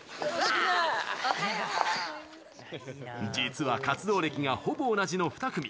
実は活動歴がほぼ同じの２組。